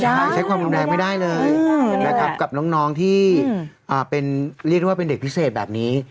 ใช่ใช้ความรุนแรงไม่ได้เลยนะครับกับน้องที่เป็นเรียกได้ว่าเป็นเด็กพิเศษแบบนี้